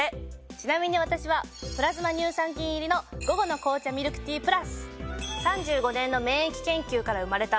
ちなみに私はプラズマ乳酸菌入りの午後の紅茶ミルクティープラス。